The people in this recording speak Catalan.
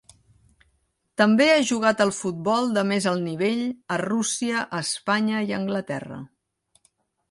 També ha jugat al futbol de més alt nivell a Rússia, Espanya i Anglaterra.